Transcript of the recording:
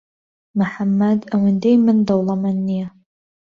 محەممەد ئەوەندی من دەوڵەمەند نییە.